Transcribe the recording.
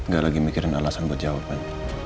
gak lagi mikirin alasan buat jawab kan